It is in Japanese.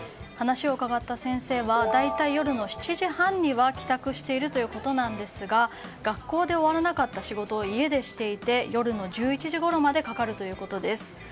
話を伺った先生は大体、夜の７時半には帰宅しているということですが学校で終わらなかった仕事を家でしていて夜の１１時ごろまでかかるということです。